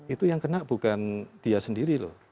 itu yang kena bukan dia sendiri loh